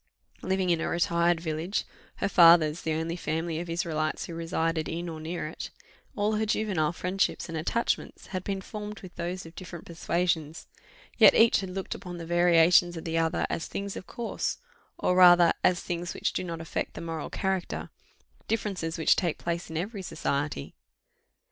Living in a retired village, her father's the only family of Israelites who resided in or near it, all her juvenile friendships and attachments had been formed with those of different persuasions; yet each had looked upon the variations of the other as things of course, or rather as things which do not affect the moral character differences which take place in every society."